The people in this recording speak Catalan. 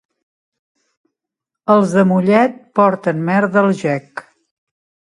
Els de Mollet porten merda al gec.